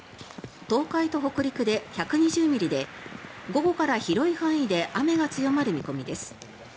東海と北陸で１２０ミリで午後から広い範囲で雨が強まる見込みです。